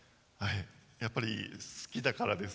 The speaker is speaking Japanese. やっぱり好きだからです。